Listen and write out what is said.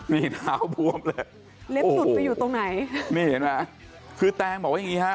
นี่เท้าบวมเลยเล็บสุดไปอยู่ตรงไหนนี่เห็นไหมคือแตงบอกว่าอย่างงี้ฮะ